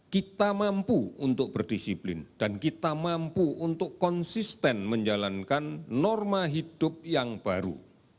kita mampu untuk berdisiplin dan kita mampu untuk konsisten menjalankan norma hidup yang baru